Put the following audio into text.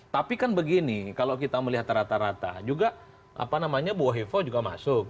tapi kan begini kalau kita melihat rata rata juga apa namanya buohefo juga masuk